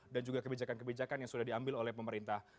dan juga kebijakan kebijakan yang sudah diambil oleh pemerintah